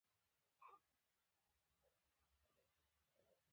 دریشي له درز سره ښایسته ښکاري.